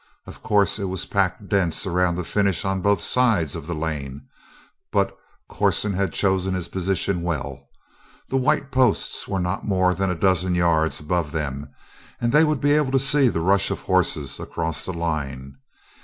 Of course it packed dense around the finish on both sides of the lane but Corson had chosen his position well, the white posts were not more than a dozen yards above them and they would be able to see the rush of horses across the line.